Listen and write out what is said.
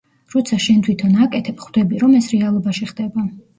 როცა შენ თვითონ აკეთებ, ხვდები, რომ ეს რეალობაში ხდება.